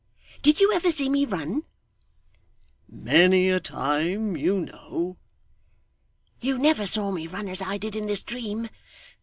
Did you ever see me run?' 'Many a time, you know.' 'You never saw me run as I did in this dream.